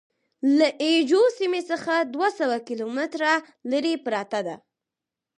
له اي جو سیمې څخه دوه سوه کیلومتره لرې پرته ده.